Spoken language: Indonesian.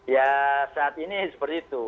ya saat ini seperti itu